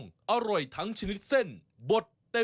มาแล้วครับผมนี่